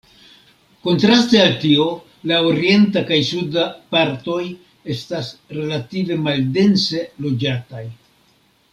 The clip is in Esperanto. Kontraste al tio la orienta kaj suda partoj estas relative maldense loĝataj.